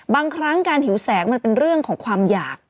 บางครั้งการหิวแสงมันเป็นเรื่องของความอยาก